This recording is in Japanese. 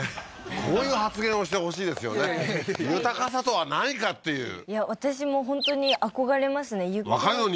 こういう発言をしてほしいですよね豊かさとは何かっていう私も本当に憧れますね若いのに？